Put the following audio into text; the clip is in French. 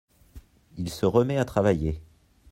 Il se remet à travailler.